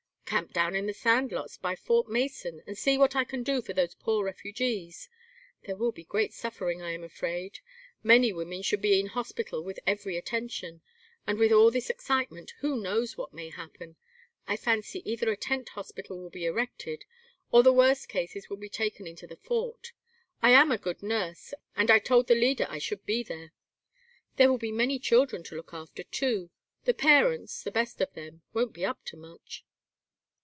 "Camp down in the sand lots by Fort Mason and see what I can do for those poor refugees. There will be great suffering, I am afraid. Many women should be in hospital with every attention; and with all this excitement who knows what may happen? I fancy either a tent hospital will be erected, or the worst cases will be taken into the fort. I am a good nurse, and I told the Leader I should be there. There will be many children to look after, too. The parents, the best of them, won't be up to much."